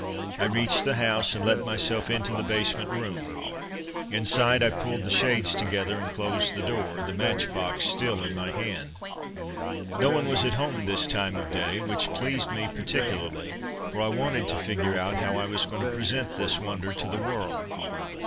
I reached the house and let myself into the basement room. Inside, I pulled the shades together and closed the door, the matchbox still in my hand. No one was at home this time of day, which pleased me particularly, for I wanted to figure out how I was going to present this wonder to the world.